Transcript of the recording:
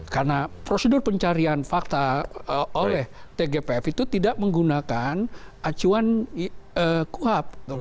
karena prosedur pencarian fakta oleh tgpf itu tidak menggunakan acuan kuhab